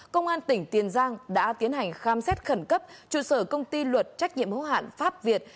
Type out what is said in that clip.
công an tỉnh tiền giang đã tiến hành khám xét khẩn cấp trụ sở công ty luật trách nhiệm hữu hạn pháp việt